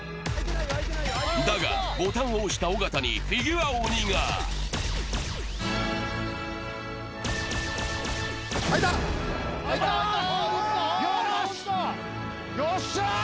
だが、ボタンを押した尾形にフィギュア鬼が。よっしゃ！